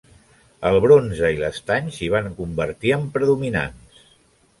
El bronze i l'estany s'hi van convertir en predominants.